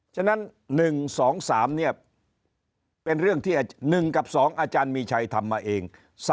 ฉะนั้น๑๒๓เป็นเรื่องที่๑กับ๒อาจารย์มีชัยทำมาเอง